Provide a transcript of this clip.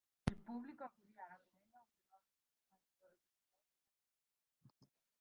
El público acudía a la comedia, aunque lo representado fuera drama o tragedia.